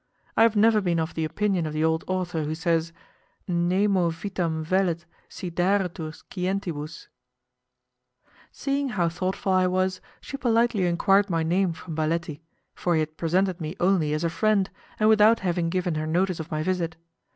I have never been of the opinion of the old author who says, 'Nemo vitam vellet si daretur scientibus'. Seeing how thoughtful I was, she politely enquired my name from Baletti, for he had presented me only as a friend, and without having given her notice of my visit.